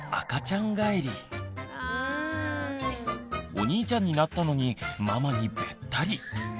お兄ちゃんになったのにママにべったり。